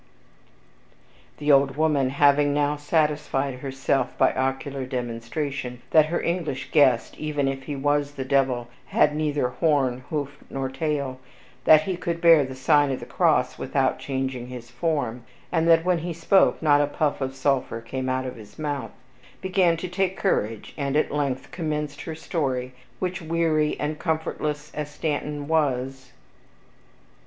........ The old woman having now satisfied herself, by ocular demonstration, that her English guest, even if he was the devil, had neither horn, hoof, nor tail, that he could bear the sign of the cross without changing his form, and that, when he spoke, not a puff of sulphur came out of his mouth, began to take courage, and at length commenced her story, which, weary and comfortless as Stanton was